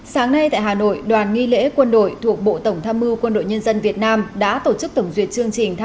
sáng nay tại hà nội đoàn nghi lễ quân đội thuộc bộ tổng tham mưu quân đội nhân dân việt nam đã tổ chức tổng duyên